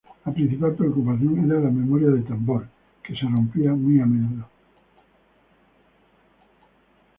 La principal preocupación era la memoria de tambor, que se rompía muy a menudo.